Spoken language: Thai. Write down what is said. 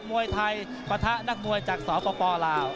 มวยไทยปะทะนักมวยจากสปลาว